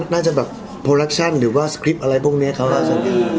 น่าจะแบบโปรดักชั่นหรือว่าสคริปต์อะไรพวกนี้เขาน่าจะดี